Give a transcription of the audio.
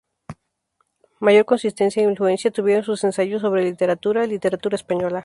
Mayor consistencia e influencia tuvieron sus ensayos sobre literatura, "Literatura española.